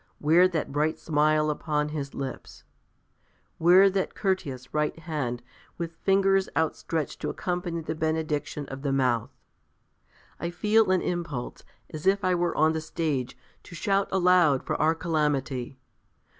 Where that bright smile upon his lips? Where that courteous right hand with fingers outstretched to accompany the benediction of the mouth. I feel an impulse, as if I were on the stage, to shout aloud for our calamity.